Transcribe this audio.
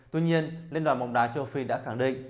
tuy nhiên liên đoàn bóng đá châu phi đã khẳng định